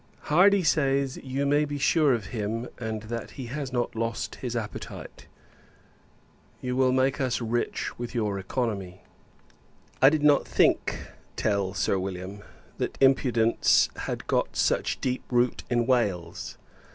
Hardy says, you may be sure of him; and, that he has not lost his appetite. You will make us rich, with your economy. I did not think, tell Sir William, that impudence had got such deep root in Wales.